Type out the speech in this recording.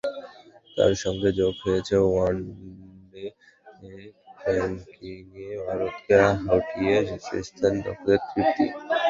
তার সঙ্গে যোগ হয়েছে ওয়ানডে র্যাঙ্কিংয়ে ভারতকে হটিয়ে শীর্ষস্থান দখলের তৃপ্তি।